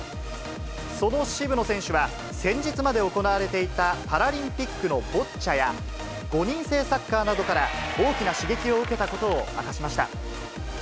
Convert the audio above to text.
その渋野選手は、先日まで行われていたパラリンピックのボッチャや、５人制サッカーなどから大きな刺激を受けたことを明かしました。